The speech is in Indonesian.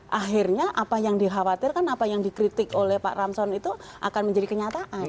akhirnya apa yang dikhawatirkan apa yang dikritik oleh pak ramson itu akan menjadi kenyataan